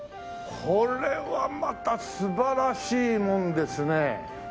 これはまた素晴らしいもんですね。